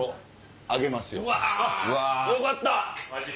よかった！